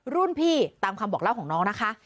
รุ่นพี่ตามคำบอกเล่าของน้องนะคะ